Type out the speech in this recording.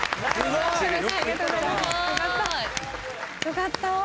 よかった。